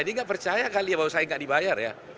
dia nggak percaya kali ya bahwa saya nggak dibayar ya